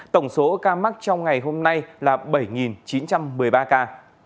tổng số ca mắc trong ngày hôm nay là bảy chín trăm một mươi ba ca